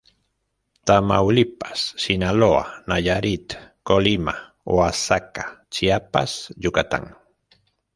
Tamaulipas, Sinaloa, Nayarit, Colima, Oaxaca, Chiapas, Yucatán.